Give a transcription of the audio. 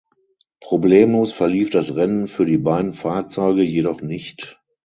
Problemlos verlief das Rennen für die beiden Fahrzeuge jedoch nicht.